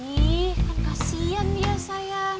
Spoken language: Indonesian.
ih kan kasihan dia sayang